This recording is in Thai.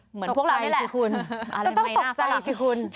เหมือนพวกเรานี่แหละอะไรไม่หน้าฝรั่งตกใจสิคุณ